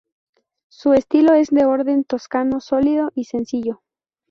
Su estilo es de orden toscano, sólido y sencillo.